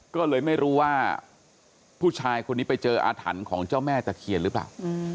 ก็เลยไม่รู้ว่าผู้ชายคนนี้ไปเจออาถรรพ์ของเจ้าแม่ตะเคียนหรือเปล่า